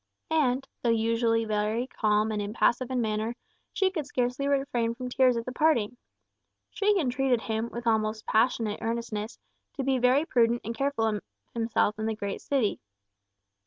And, though usually very calm and impassive in manner, she could scarcely refrain from tears at the parting. She entreated him, with almost passionate earnestness, to be very prudent and careful of himself in the great city.